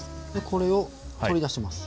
これを取り出します。